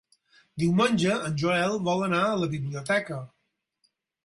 Diumenge en Joel vol anar a la biblioteca.